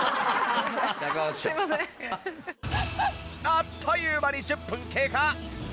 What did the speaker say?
あっという間に１０分経過。